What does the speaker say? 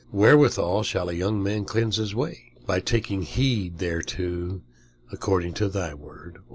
"Wherewithal shall a young man cleanse his way? By taking heed thereto according to thy word."